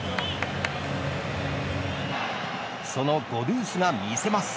そのゴドゥースが見せます。